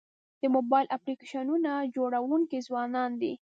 د موبایل اپلیکیشنونو جوړونکي ځوانان دي.